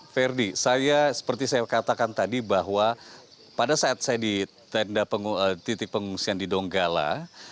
ferdi saya seperti saya katakan tadi bahwa pada saat saya di titik pengungsian di donggala